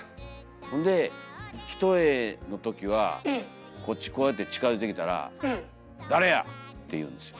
ほんで一重のときはこっちこうやって近づいてきたら「誰や！」って言うんですよ。